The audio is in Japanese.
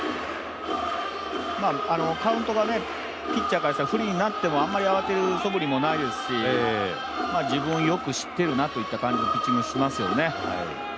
カウントがピッチャーからしてもフルになってもあまり慌てるそぶりもないですし自分をよく知っているなというような感じのピッチングをしますよね